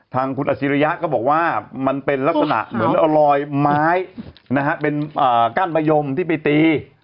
ทางคุณอาชิริยะก็บอกว่ามันเป็นลักษณะเหมือนเอารอยไม้นะฮะเป็นก้านมะยมที่ไปตี